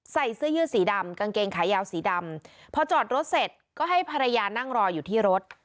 ใส่เสื้อยืดสีดำกางเกงขายาวสีดำพอจอดรถเสร็จก็ให้ภรรยานั่งรออยู่ที่รถ